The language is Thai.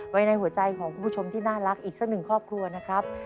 ไว้ในหัวใจของคุณผู้ชมที่น่ารักอีกสักหนึ่งครอบครัวนะครับ